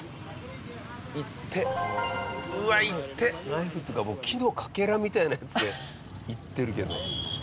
ナイフっていうか木のかけらみたいなやつでいってるけど。